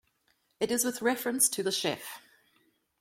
It is with reference to the chef.